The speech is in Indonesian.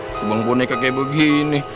tumang boneka kayak begini